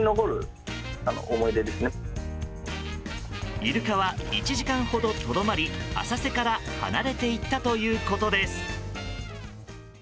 イルカは１時間ほどとどまり浅瀬から離れていったということです。